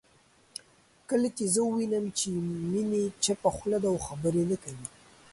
کله چې زه ووينم چې میني چپه خوله ده او خبرې نه کوي